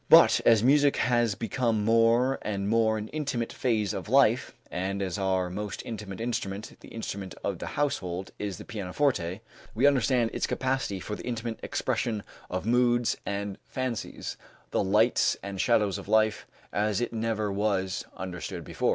But as music has become more and more an intimate phase of life, and as our most intimate instrument, the instrument of the household, is the pianoforte, we understand its capacity for the intimate expression of moods and fancies, the lights and shadows of life, as it never was understood before.